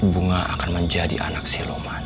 bunga akan menjadi anak siloman